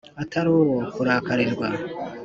atari uwo kurakarirwa.